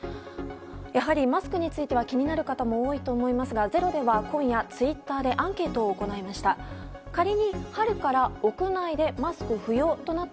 やはりマスクについては気になる方も多いと思いますが「ｚｅｒｏ」では今夜、ツイッターでアンケートを行いました。